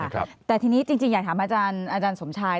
แต่ทีนี้จริงอยากถามอาจารย์สมชาย